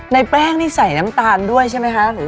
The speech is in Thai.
ในแป้งนี่ใส่น้ำตาลด้วยใช่ไหมคะ